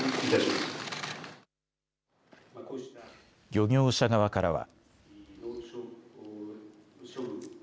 漁業者側からは。